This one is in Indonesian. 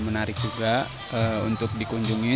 menarik juga untuk dikunjungi